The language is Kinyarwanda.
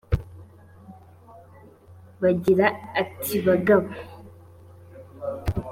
b agira ati bagabo